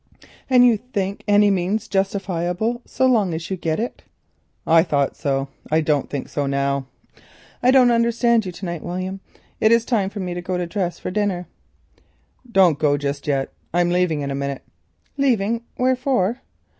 "And you think any means justifiable so long as you get it?" "I thought so. I do not think so now." "I don't understand you to night, William. It is time for me to go to dress for dinner." "Don't go just yet. I'm leaving in a minute." "Leaving? Where for?"